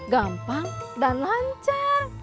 gampang dan lancar